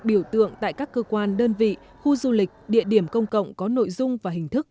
biểu tượng tại các cơ quan đơn vị khu du lịch địa điểm công cộng có nội dung và hình thức